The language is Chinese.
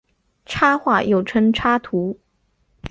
插画又称插图。